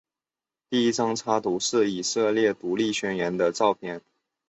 第一张插图是以色列独立宣言的照片。